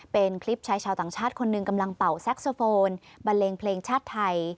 เป็นคลิปชายชาวต่างชาติคนหนึ่งกำลังเป่าแซ็กโซโฟนบันเลงเพลงชาติไทย